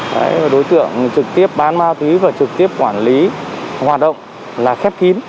đấy là đối tượng trực tiếp bán ma túy và trực tiếp quản lý hoạt động là khép kín